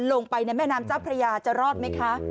ลงไปในแม่น้ำเจ้าพระยาจะรอดไหมคะ